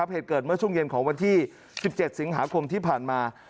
เหตุเกิดเมื่อช่วงเย็นของวันที่๑๗สิงหาคมที่ผ่านมา